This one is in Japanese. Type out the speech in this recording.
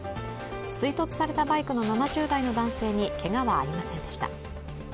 追突されたバイクの７０代の男性にけがはありませんでした。